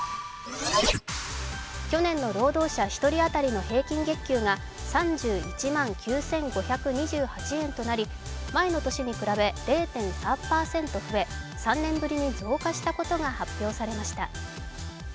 去年の労働者１人当たりの平均月給が３１万９５２８円となり前の年に比べ０．３％増え、３年ぶりに増加したことが発表されました。